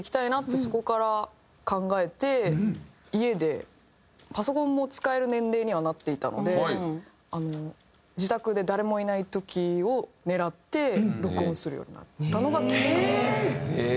そこから考えて家でパソコンも使える年齢にはなっていたので自宅で誰もいない時を狙って録音するようになったのがきっかけです。